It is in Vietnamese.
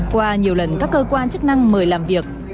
qua nhiều lần các cơ quan chức năng mời làm việc